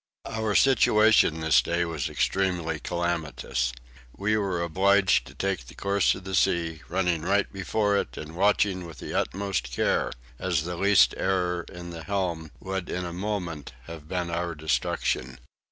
Our situation this day was extremely calamitous. We were obliged to take the course of the sea, running right before it and watching with the utmost care as the least error in the helm would in a moment have been our destruction.